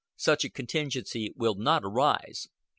Such a contingency will not arise.